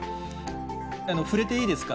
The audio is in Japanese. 触れていいですか？